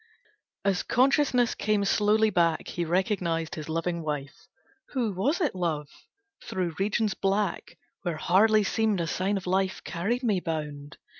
As consciousness came slowly back He recognised his loving wife "Who was it, Love, through regions black Where hardly seemed a sign of life Carried me bound?